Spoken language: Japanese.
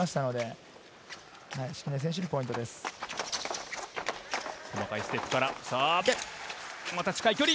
細かいステップから近い距離。